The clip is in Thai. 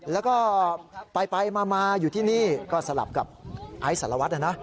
แล้วก็ไปมาอยู่ที่นี่ก็สลับกับไอซ์สารวัตรนะนะ